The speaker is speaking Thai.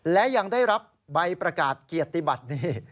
และยังได้รับใบประกาศเกียรติบัตินี้